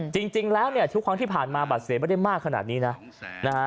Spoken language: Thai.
จริงแล้วเนี่ยทุกครั้งที่ผ่านมาบัตรเสียไม่ได้มากขนาดนี้นะนะฮะ